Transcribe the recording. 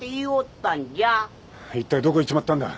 一体どこ行っちまったんだ。